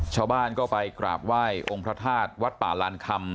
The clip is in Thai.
ชาวบ้านก็ไปกราบไหว้องค์พระธาตุวัดป่าลานคำ